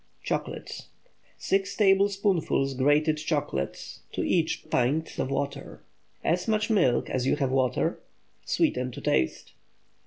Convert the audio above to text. CHOCOLATE. ✠ 6 tablespoonfuls grated chocolate to each pint of water. As much milk as you have water. Sweeten to taste.